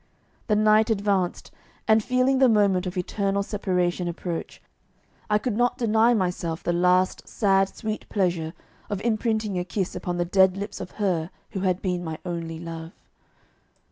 The night advanced, and feeling the moment of eternal separation approach, I could not deny myself the last sad sweet pleasure of imprinting a kiss upon the dead lips of her who had been my only love....